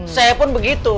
saya pun begitu